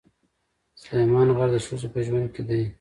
سلیمان غر د ښځو په ژوند کې دي.